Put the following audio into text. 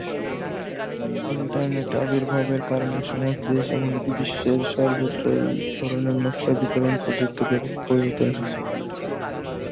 ইন্টারনেটের আবির্ভাবের কারণে সমাজ, দেশ এমনকি বিশ্বের সর্বত্র এই ধরনের নকশা বিতরণ পদ্ধতিতে ব্যাপক পরিবর্তন এসেছে।